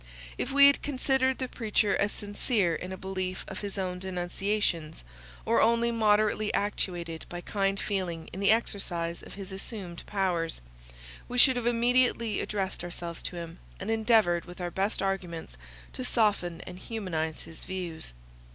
If we had considered the preacher as sincere in a belief of his own denunciations, or only moderately actuated by kind feeling in the exercise of his assumed powers, we should have immediately addressed ourselves to him, and endeavoured with our best arguments to soften and humanize his views.